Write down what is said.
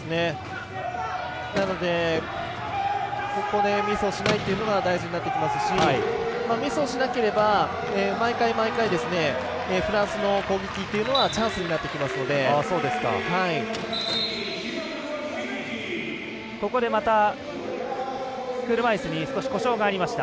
なので、ここでミスをしないというのが大事になってきますしミスをしなければ毎回毎回フランスの攻撃というのはここで車いすに少し故障がありました。